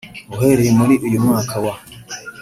uhereye muri uyu mwaka wa